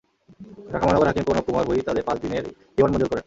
ঢাকা মহানগর হাকিম প্রণব কুমার হুই তাঁদের পাঁচ দিনের রিমান্ড মঞ্জুর করেন।